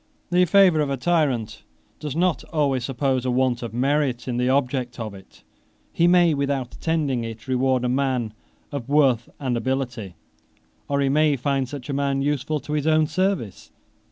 The favor of a tyrant does not always suppose a want of merit in the object of it; he may, without intending it, reward a man of worth and ability, or he may find such a man useful to his own service.